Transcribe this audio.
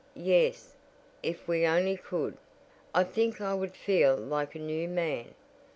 "Yes, if we only could, I think I would feel like a new man.